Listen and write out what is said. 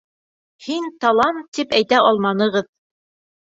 Һин талант тип әйтә алманығыҙ!